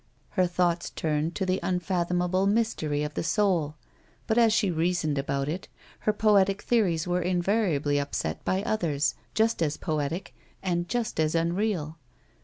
Her thoughts turned to the unfathomable mystery of the soul, but, as she reasoned about it, her poetic theories were invariably upset by others, just as poetic and just as unreal.